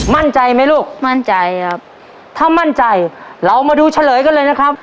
มั่นใจไหมลูกมั่นใจครับถ้ามั่นใจเรามาดูเฉลยกันเลยนะครับ